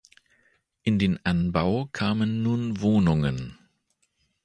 In dem Anbau kamen nun Wohnungen.